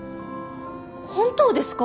本当ですか？